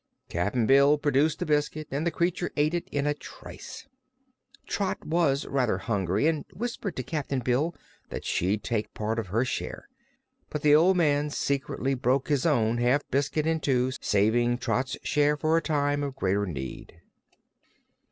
Cap'n Bill produced the biscuit and the creature ate it in a trice. Trot was rather hungry and whispered to Cap'n Bill that she'd take part of her share; but the old man secretly broke his own half biscuit in two, saving Trot's share for a time of greater need.